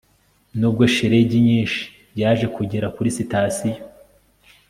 nubwo shelegi nyinshi, yaje kugera kuri sitasiyo